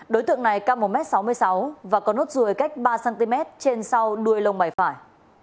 đối tượng này cao một m sáu mươi sáu và có nốt ruồi cách ba cm trên sau đuôi lông mày phải